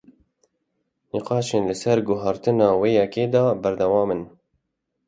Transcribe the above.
Nîqaşên li ser guhertina wê yekê di berdewamin.